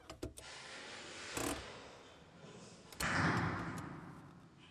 امریه ئ د جمع مثبت يا منفي امر په پای کې کارول کیږي.